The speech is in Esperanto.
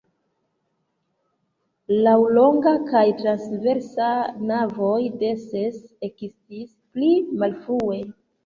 Laŭlonga kaj transversa navoj de Sens ekestis pli malfrue.